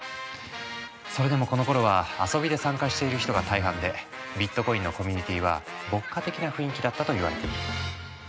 それでもこのころは遊びで参加している人が大半でビットコインのコミュニティーは牧歌的な雰囲気だったといわれている。